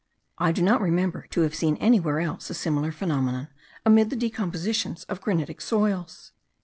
I do not remember to have seen anywhere else a similar phenomenon, amid the decompositions of granitic soils.